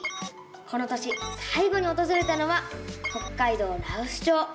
この年さい後におとずれたのは北海道羅臼町。